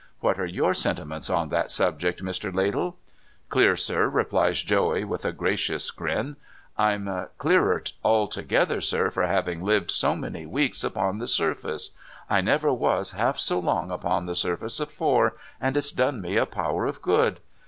What are yojtr sentiments on that subject, Mr. Ladle ?'' Clear, sir,' replies Joey, with a gracious grin. ' I'm clearer altogether, sir, for having lived so many weeks upon the surface. I never was half so long upon the surface afore, and it's done me a power of good.